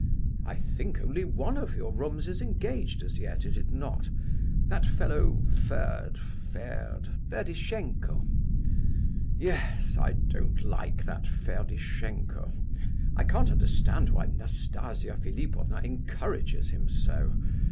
"I think only one of your rooms is engaged as yet, is it not? That fellow Ferd Ferd—" "Ferdishenko." "Yes—I don't like that Ferdishenko. I can't understand why Nastasia Philipovna encourages him so.